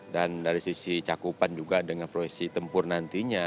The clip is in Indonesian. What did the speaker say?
dan dari sisi cakupan juga dengan profesi tempur nantinya